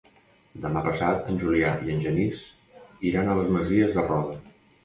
Demà passat en Julià i en Genís iran a les Masies de Roda.